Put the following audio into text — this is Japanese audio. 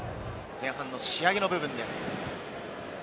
前半の仕上げの部分です。